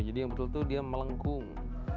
jadi yang betul itu dia melengkung